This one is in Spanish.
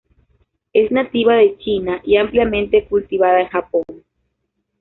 Es nativa de China, y ampliamente cultivada en Japón.